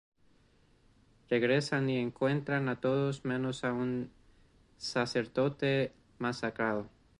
Regresan y encuentran a todos menos a un sacerdote masacrado.